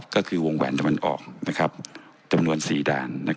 ก็คือวงแหวนตะวันออกจำนวน๔ด่าน